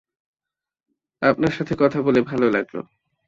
আপনার সাথে কথা বলে ভালো লাগলো।